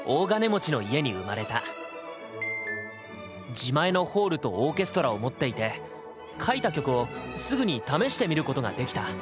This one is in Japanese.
自前のホールとオーケストラを持っていて書いた曲をすぐに試してみることができた。